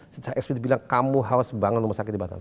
secara eksplisit bilang kamu harus membangun rumah sakit di batam